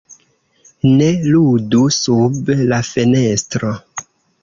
Ne ludu sub la fenestro!